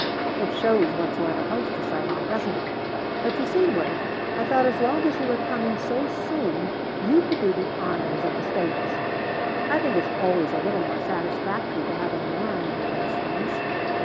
"It shows what sort of hostess I am, doesn't it? But you see, Worth, I thought as long as you were coming so soon you could do the honors of the stables. I think it's always a little more satisfactory to have a man do those things."